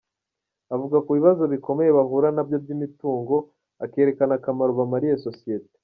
Avuga ku bibazo bikomeye bahura nabyo by’imitungo, akerekana akamaro bamariye sosiyete.